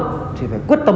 và chúng ta đã quyết tâm